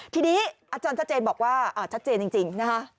ทีนี้อาจารย์ชัดเจนบอกว่าชัดเจนจริงนะคะ